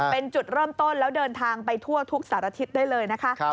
เป็นจุดเริ่มต้นแล้วเดินทางไปทั่วทุกสารทิศได้เลยนะคะ